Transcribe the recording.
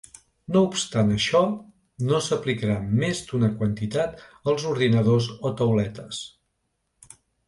No obstant això, no s’aplicarà més d’una quantitat als ordinadors o tauletes.